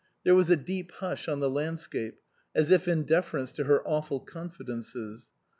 There was a deep hush on the landscape, as if in deference to her awful confidences.